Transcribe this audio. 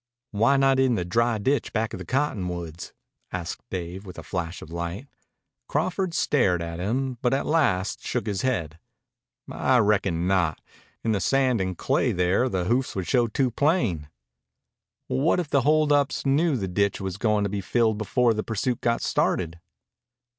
"Why not in the dry ditch back of the cotton woods?" asked Dave with a flash of light. Crawford stared at him, but at last shook his head, "I reckon not. In the sand and clay there the hoofs would show too plain." "What if the hold ups knew the ditch was going to be filled before the pursuit got started?"